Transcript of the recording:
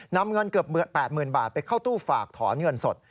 นำเงินเกือบ๘๐๐๐บาทไปเข้าตู้ฝากถอนเงินสด